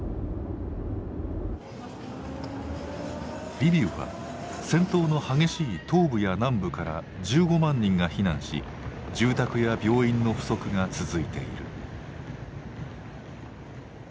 リビウは戦闘の激しい東部や南部から１５万人が避難し住宅や病院の不足が続いている。